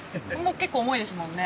結構重いですもんね。